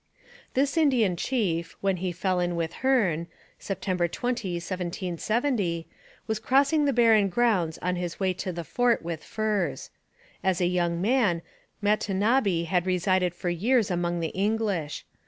This Indian chief, when he fell in with Hearne (September 20, 1770), was crossing the barren grounds on his way to the fort with furs. As a young man, Matonabbee had resided for years among the English.